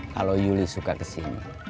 kalau yuli suka ke sini